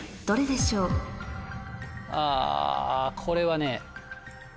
これはね。